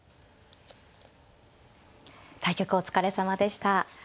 対局お疲れさまでした。